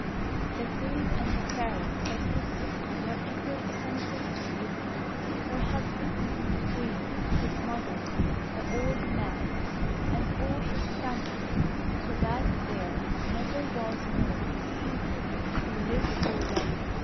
The Queen and the Fairy, her sister, were equally attentive to Beauty, her husband, the Queen, his mother, the old man, and all his family, so that there never was known people who lived so long.